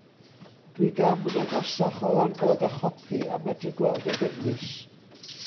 Dwi gam yn agosach o ran bod â chopi a medru gweld ei gynnwys.